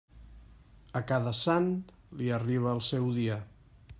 A cada sant li arriba el seu dia.